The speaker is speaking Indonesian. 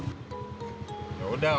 yaudah kalau keberatan